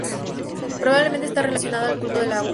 Posiblemente este relacionada al culto al agua.